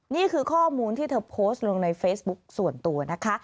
นี่คือข้อมูลที่เธอโพสต์ลงในเฟซบุ๊คส่วนตัวนะคะ